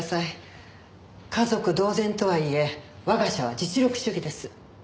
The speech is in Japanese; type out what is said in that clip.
家族同然とはいえ我が社は実力主義です。